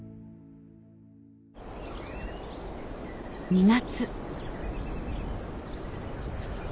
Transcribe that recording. ２月。